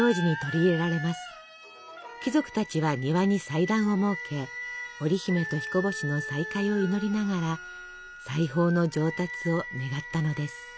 貴族たちは庭に祭壇を設け織姫と彦星の再会を祈りながら裁縫の上達を願ったのです。